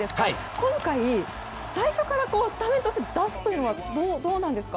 今回、最初からスタメンとして出すというのはどうなんですか？